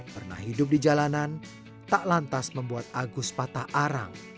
pernah hidup di jalanan tak lantas membuat agus patah arang